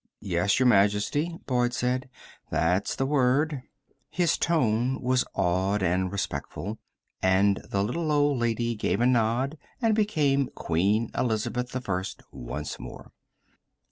"Yes, Your Majesty," Boyd said. "That's the word." His tone was awed and respectful, and the little old lady gave a nod and became Queen Elizabeth I once more.